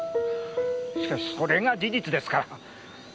しかしそれが事実ですから。